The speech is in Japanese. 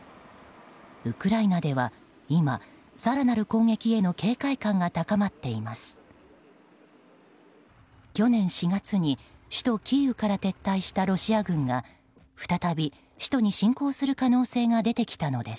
ウクライナでは今、更なる攻撃への警戒感が高まっています。